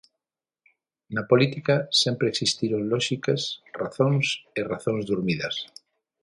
Na política sempre existiron lóxicas, razóns e razóns durmidas.